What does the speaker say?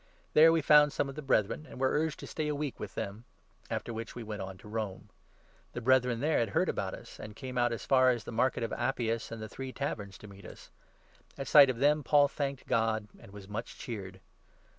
There we found some of the Brethren, 14 and were urged to stay a week with them ; after which we went on to Rome. The Brethren there had heard about us, 15 and came out as far as the Market of Appius and the Three Taverns to meet.us. At sight of them Paul thanked God and was much cheered.